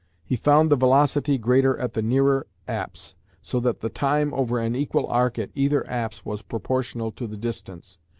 He found the velocity greater at the nearer apse, so that the time over an equal arc at either apse was proportional to the distance.